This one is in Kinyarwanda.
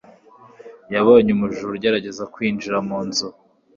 yabonye umujura ugerageza kwinjira mu nzu